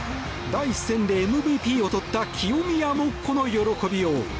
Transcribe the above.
第１戦でＭＶＰを取った清宮もこの喜びよう。